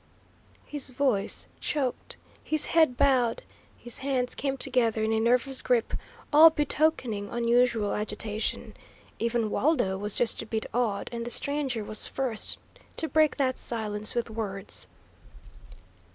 His voice choked, his head bowed, his hands came together in a nervous grip, all betokening unusual agitation. Even Waldo was just a bit awed, and the stranger was first to break that silence with words.